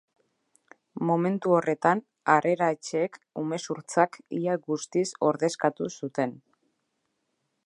Momentu horretan, harrera-etxeek umezurtzak ia guztiz ordezkatu zuten.